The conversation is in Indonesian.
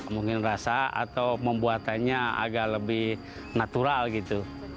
mungkin rasa atau pembuatannya agak lebih natural gitu